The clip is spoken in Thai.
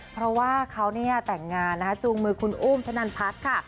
เพราะว่าเขาเนี่ยแต่งงานนะคะจูงมือคุณอุ้มธนันพัฒน์ค่ะ